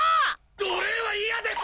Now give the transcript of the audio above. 奴隷は嫌です